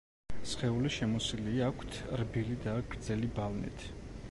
სხეული შემოსილი აქვთ რბილი და გრძელი ბალნით.